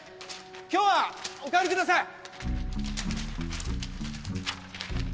今日はお帰りください。